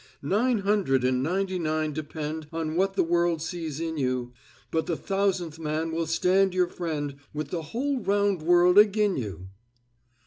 Nine hundred and ninety nine depend On what the world sees in you, But the Thousandth Man will stand your friend With the whole round world agin you.'"